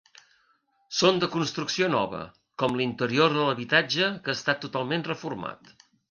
Són de construcció nova, com l’interior de l'habitatge que ha estat totalment reformat.